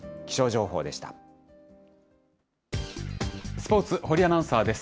スポーツ、堀アナウンサーです。